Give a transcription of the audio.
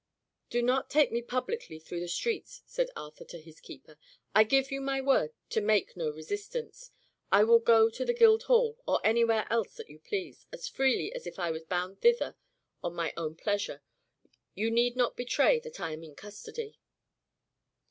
"Do not take me publicly through the streets," said Arthur to his keepers. "I give you my word to make no resistance: I will go to the Guildhall, or anywhere else that you please, as freely as if I were bound thither on my own pleasure. You need not betray that I am in custody."